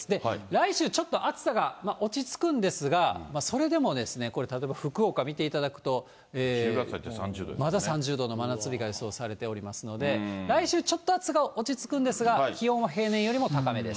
来週ちょっと暑さが落ち着くんですが、それでもこれ、例えば福岡見ていただくと、まだ３０度の真夏日が予想されておりますので、来週ちょっと暑さが落ち着くんですが、気温は平年よりも高めです。